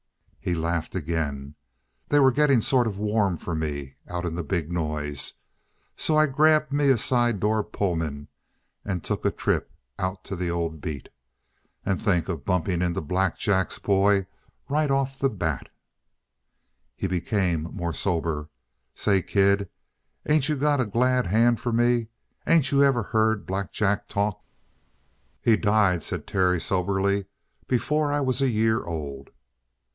He laughed again. "They were getting sort of warm for me out in the big noise. So I grabbed me a side door Pullman and took a trip out to the old beat. And think of bumping into Black Jack's boy right off the bat!" He became more sober. "Say, kid, ain't you got a glad hand for me? Ain't you ever heard Black Jack talk?" "He died," said Terry soberly, "before I was a year old."